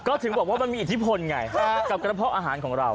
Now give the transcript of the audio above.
ก็ถึงบอกว่ามันมีอิทธิพลไงกับกระเพาะอาหารของเรา